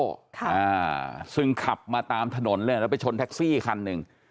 อ่าซึ่งขับมาตามถนนเลยแล้วไปชนแท็กซี่คันหนึ่ง